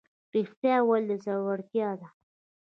ریښتیا ویل زړورتیا ده